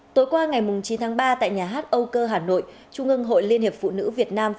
tối qua ngày chín tháng ba tại nhà hát âu cơ hà nội trung ương hội liên hiệp phụ nữ việt nam